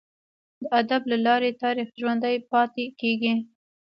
د ادب له لاري تاریخ ژوندي پاته کیږي.